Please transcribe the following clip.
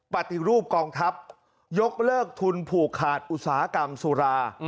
ปฏิรูปกองทัพยกเลิกทุนผูกขาดอุตสาหกรรมสุรา